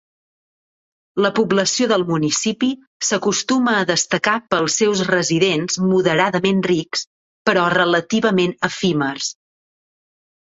La població del municipi s'acostuma a destacar pels seus residents moderadament rics, però relativament efímers.